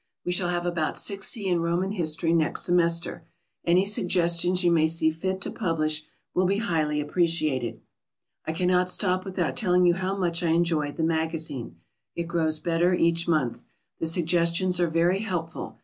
We shall have about 60 in Roman history next semester. Any suggestions you may see fit to publish will be highly appreciated. I cannot stop without telling you how much I enjoy the MAGAZINE. It grows better each month. The suggestions are very helpful.